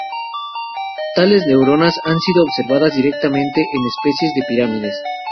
Tales neuronas han sido observadas directamente en especies de primates.